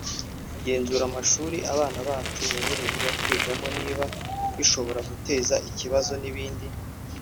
kugenzura amashuri abana bacu boherezwa kwigamo niba adashobora guteza ikibazo n’ibindi